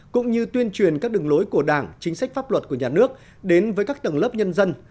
cũng như tuyên truyền các đường lối của đảng chính sách pháp luật của nhà nước đến với các tầng lớp nhân dân